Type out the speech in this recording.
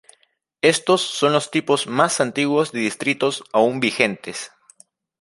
Estos son los tipos más antiguos de distritos aún vigentes.